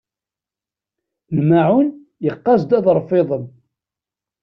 Lmaεun yeqqaz-d aḍref-iḍen.